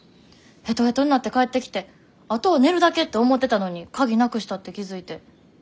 ヘトヘトになって帰ってきてあとは寝るだけって思ってたのに鍵なくしたって気付いて。